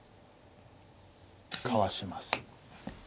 かわします。